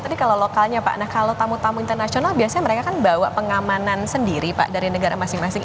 jadi kalau lokalnya pak nah kalau tamu tamu internasional biasanya mereka kan bawa pengamanan sendiri pak dari negara masing masing